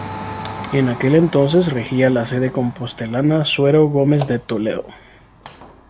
En aquel entonces regía la sede compostelana Suero Gómez de Toledo.